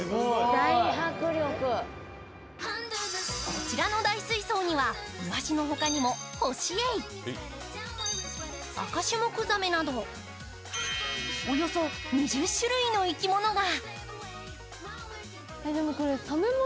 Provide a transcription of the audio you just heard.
こちらの大水槽にはイワシのほかにもホシエイ、アカシュモクザメなどおよそ２０種類の生き物が。